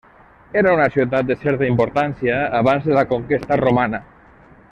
Era una ciutat de certa importància abans de la conquesta romana.